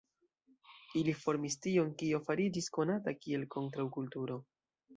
Ili formis tion, kio fariĝis konata kiel kontraŭkulturo.